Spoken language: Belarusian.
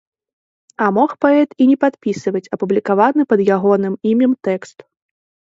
А мог паэт і не падпісваць апублікаваны пад ягоным імем тэкст.